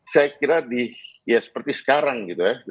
saya kira ya seperti sekarang gitu ya